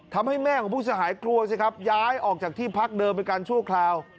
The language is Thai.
ทำให้แม่ของผู้เสียหายกลัวสิครับย้ายออกจากที่พักเดิมไปกันชั่วคราว